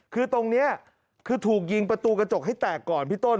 คือตรงนี้คือถูกยิงประตูกระจกให้แตกก่อนพี่ต้น